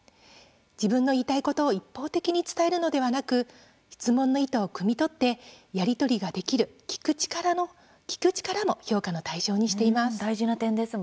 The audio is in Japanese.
自分の言いたいことを一方的に伝えるのではなく質問の意図をくみ取ってやり取りができる、聴く力も評価の対象にしています。